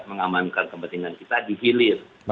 mengamankan kepentingan kita dihilir